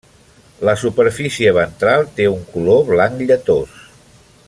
La superfície ventral té un color blanc lletós.